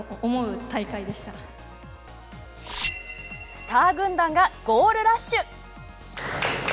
スター軍団がゴールラッシュ！